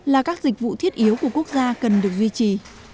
là các dịch vụ thiết yếu của quốc gia cần được duy trì